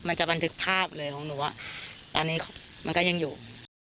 บันทึกภาพเลยของหนูตอนนี้มันก็ยังอยู่